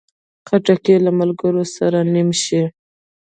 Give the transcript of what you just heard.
خټکی له ملګري سره نیم شي.